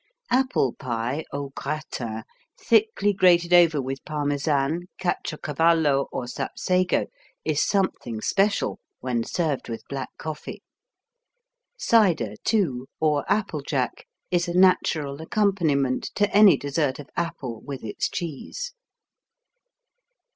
Apple pie au gratin, thickly grated over with Parmesan, Caciocavallo or Sapsago, is something special when served with black coffee. Cider, too, or applejack, is a natural accompaniment to any dessert of apple with its cheese.